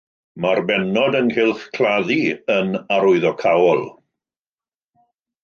Mae'r bennod ynghylch claddu yn arwyddocaol.